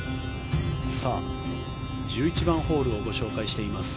１１番ホールをご紹介しています。